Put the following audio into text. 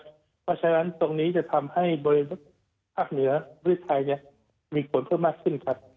เพราะฉะนั้นตรงนี้จะทำให้บริวิติภาพเหนือบริษัทไทยเนี้ยมีผลเพิ่มมากขึ้นครับ